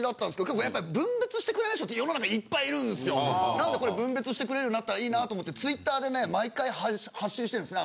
なのでこれ分別してくれるようになったらいいなあと思ってＴｗｉｔｔｅｒでね毎回発信してるんですね。